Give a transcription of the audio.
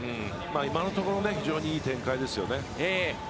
今のところ非常にいい展開ですね。